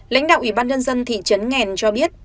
lãnh đạo ủy ban nhân dân thị trấn nghèn cho biết